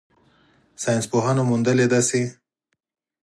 ساینسپوهانو موندلې ده چې